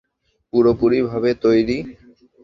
পুরোপুরি ভাবে তৈরী।